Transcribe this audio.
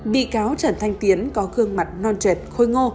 bị cáo trần thanh tiến có gương mặt non trượt khôi ngô